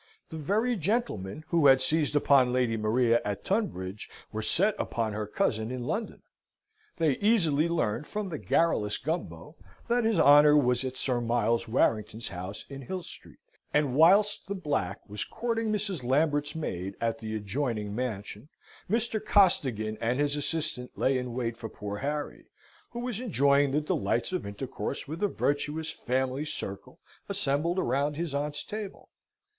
The very gentlemen who had seized upon Lady Maria at Tunbridge were set upon her cousin in London. They easily learned from the garrulous Gumbo that his honour was at Sir Miles Warrington's house in Hill Street, and whilst the black was courting Mrs. Lambert's maid at the adjoining mansion, Mr. Costigan and his assistant lay in wait for poor Harry, who was enjoying the delights of intercourse with a virtuous family circle assembled round his aunt's table.